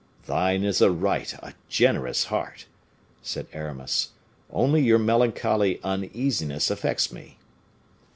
"Thine is a right, a generous heart," said Aramis, "only your melancholy uneasiness affects me."